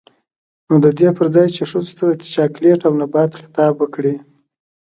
نـو د دې پـر ځـاى چـې ښـځـو تـه د چـاکـليـت او نـبـات خـطاب وکـړي.